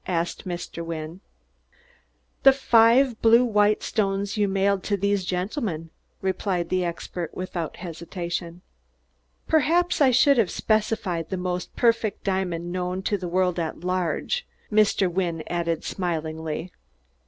asked Mr. Wynne. "The five blue white stones you mailed to these gentlemen," replied the expert without hesitation. "Perhaps I should have specified the most perfect diamond known to the world at large," Mr. Wynne added smilingly.